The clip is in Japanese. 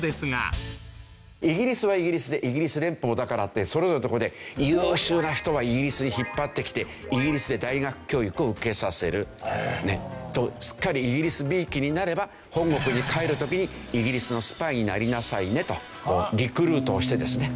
イギリスはイギリスでイギリス連邦だからってそれぞれの所で優秀な人はイギリスに引っ張ってきてイギリスで大学教育を受けさせる。とすっかりイギリスびいきになれば本国に帰る時にイギリスのスパイになりなさいねとリクルートをしてですね